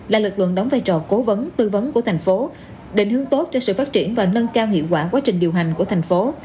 là lực lượng đóng vai trò cố vấn tư vấn của thành phố định hướng tốt cho sự phát triển và nâng cao hiệu quả quá trình điều hành của thành phố